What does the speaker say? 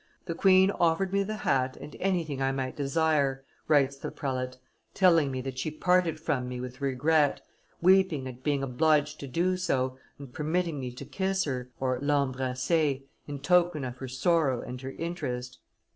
"The queen offered me the hat and anything I might desire," writes the prelate, "telling me that she parted from me with regret, weeping at being obliged to do so, and permitting me to kiss her (l'embrasser) in token of her sorrow and her interest."